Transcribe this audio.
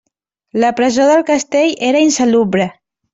La presó del castell era insalubre.